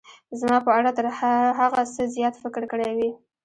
زما په اړه تر هغه څه زیات فکر کړی وي.